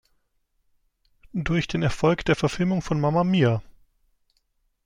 Durch den Erfolg der Verfilmung von "Mamma Mia!